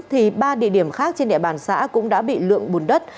thì ba địa điểm khác trên địa bàn xã cũng đã bị lượng bùn đất